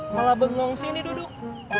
malah bengong sini duduk